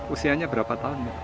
usianya berapa tahun